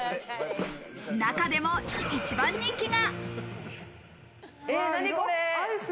中でも１番人気が。